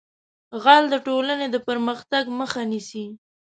غل د ټولنې د پرمختګ مخه نیسي